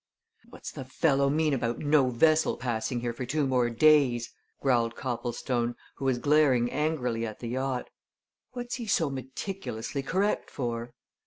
"What's the fellow mean about no vessel passing here for two more days?" growled Copplestone, who was glaring angrily at the yacht. "What's he so meticulously correct for?"